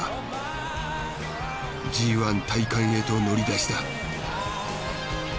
Ｇ戴冠へと乗り出した。